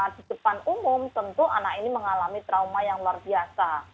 di depan umum tentu anak ini mengalami trauma yang luar biasa